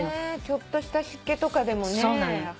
ちょっとした湿気とかでもね。